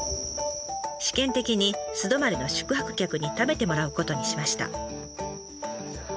試験的に素泊まりの宿泊客に食べてもらうことにしました。